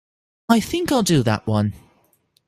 I think I'll do that one.